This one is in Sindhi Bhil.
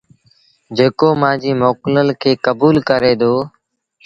جيڪو مآݩجي موڪلل کي ڪبوٚل ڪري دو